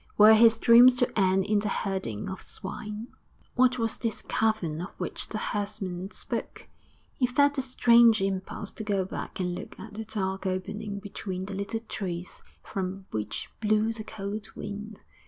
Were his dreams to end in the herding of swine? What was this cavern of which the herdsman spoke? He felt a strange impulse to go back and look at the dark opening between the little trees from which blew the cold wind....